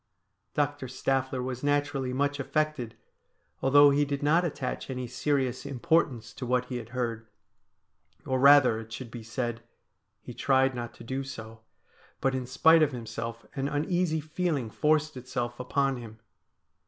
Doctor Staffler was naturally much affected, although he did not attach any serious importance to what he had heard ; or rather, it should be said, he tried not to do so, but in spite of himself an uneasy feeling forced itself upon him.